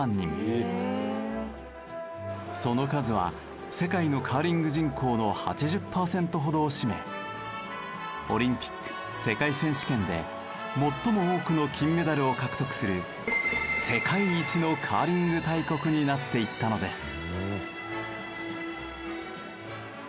その数は世界のカーリング人口の８０パーセントほどを占めオリンピック世界選手権で最も多くの金メダルを獲得する世界一のカーリング大国になっていったのです。